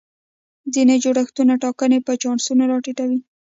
ځینې جوړښتونه ټاکنې په چانسونو را ټیټوي.